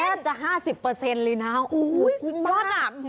แทบจะ๕๐เปอร์เซ็นต์เลยนะคุ้มมาก